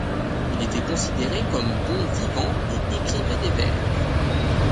Il était considéré comme bon vivant et écrivait des vers.